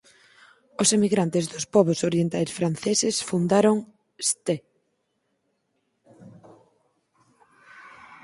Os emigrantes dos pobos orientais franceses fundaron Ste.